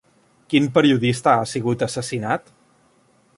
Quin periodista ha sigut assassinat?